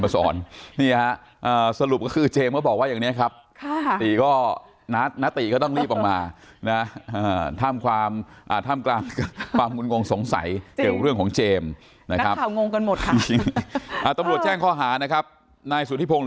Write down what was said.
โจรน่ะพี่โจรน่ะพี่โจรน่ะพี่โจรน่ะพี่โจรน่ะพี่โจรน่ะพี่โจรน่ะพี่โจรน่ะพี่โจรน่ะพี่โจรน่ะพี่โจร